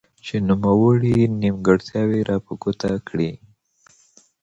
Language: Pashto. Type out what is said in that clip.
چې نوموړي نيمګړتياوي را په ګوته کړي.